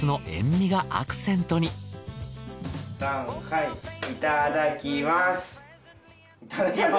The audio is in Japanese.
いただきます。